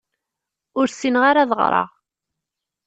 Ur ssineɣ ara ad ɣṛeɣ.